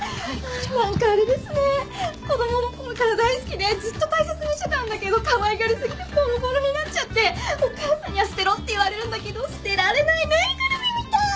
子供のころから大好きでずっと大切にしてたんだけどかわいがり過ぎてぼろぼろになっちゃってお母さんには捨てろって言われるんだけど捨てられない縫いぐるみみたい。